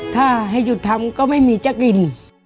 ถ้าให้หยุดทำก็ไม่มีจะกิน